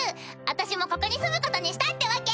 私もここに住むことにしたってわけ！